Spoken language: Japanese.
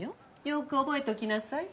よく覚えときなさい。